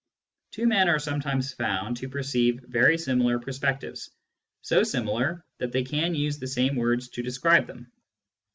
Two men are sometimes found to perceive very similar perspectives, so similar that they can use the same words to describe them.